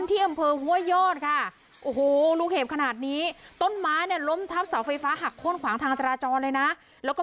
มีประชาชนในพื้นที่เขาถ่ายคลิปเอาไว้ได้ค่ะ